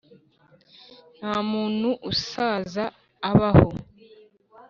nta muntu usaza abaho;